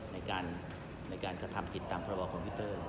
ในการกระทำผิดตามพระบคอมพิวเตอร์